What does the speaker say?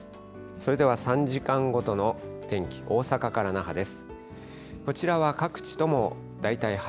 それでは３時間ごとの天気、大阪から那覇です。